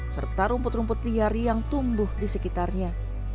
serta rumput rumput liar yang tumbuh di sekitarnya